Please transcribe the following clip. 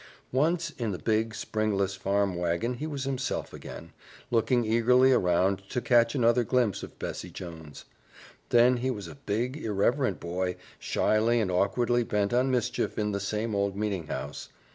Once in the big, springless farm wagon he was himself again, looking eagerly around to catch another glimpse of Bessie Jones. Then he was a big, irreverent boy, shyly and awkwardly bent on mischief in the same old meeting house.